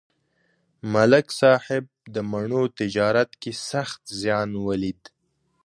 ملک صاحب د مڼو تجارت کې سخت زیان ولید